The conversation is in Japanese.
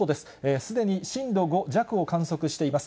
すでに震度５弱を観測しています。